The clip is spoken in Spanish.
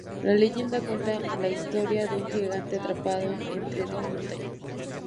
La leyenda cuenta la historia de un gigante atrapado entre dos montañas.